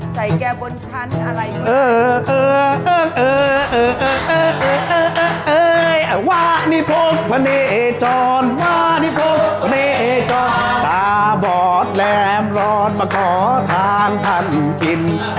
ใส่แกบนชั้นอะไรก็ได้